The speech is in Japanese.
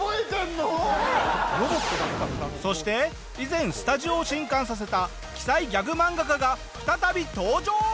そして以前スタジオを震撼させた鬼才ギャグ漫画家が再び登場！